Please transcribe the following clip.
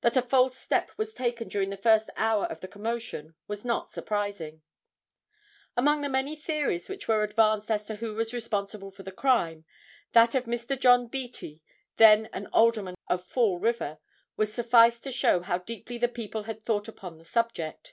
That a false step was taken during the first hour of the commotion was not surprising. [Illustration: INSPECTOR WM. H. MEDLEY.] Among the many theories which were advanced as to who was responsible for the crime, that of Mr. John Beattie, then an Alderman of Fall River, will suffice to show how deeply the people had thought upon the subject.